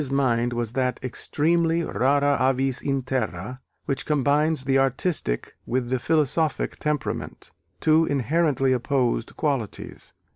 ] Coleridge's mind was that extremely rara avis in terra, which combines the artistic with the philosophic temperament two inherently opposed qualities.